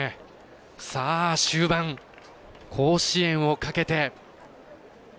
終盤、甲子園をかけて。